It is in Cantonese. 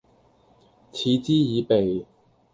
嗤之以鼻